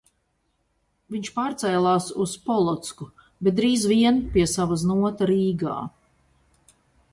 Viņš pārcēlās uz Polocku, bet drīz vien pie sava znota Rīgā.